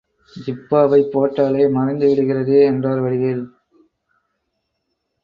ஜிப்பாவைப் போட்டாலே மறைந்துவிடுகிறதே என்றார் வடிவேல்.